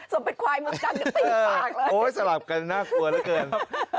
สมเป็นควายเมืองตรังติดปากเลยโอ้ยสลับกันน่ากลัวแล้วเกิน